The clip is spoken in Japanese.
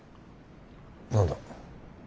何だ。